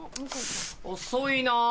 遅いな。